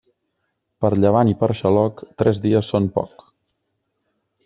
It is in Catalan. Per llevant i per xaloc, tres dies són poc.